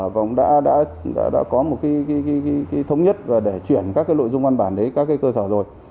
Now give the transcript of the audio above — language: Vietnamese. và đã có một thống nhất để chuyển các nội dung văn bản đến các cơ sở rồi